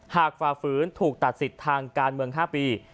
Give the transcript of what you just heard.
ฝ่าฝืนถูกตัดสิทธิ์ทางการเมือง๕ปี